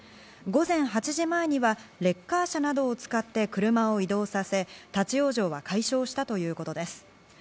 午前８時前にはレッカー車などを使って車を移動させ、立ち往生は解消したということです。